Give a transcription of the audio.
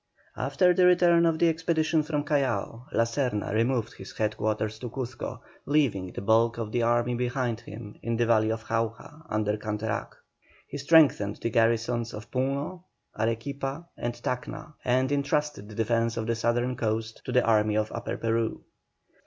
After the return of the expedition from Callao, La Serna removed his head quarters to Cuzco, leaving the bulk of the army behind him in the valley of Jauja, under Canterac. He strengthened the garrisons of Puno, Arequipa, and Tacna, and entrusted the defence of the southern coast to the army of Upper Peru.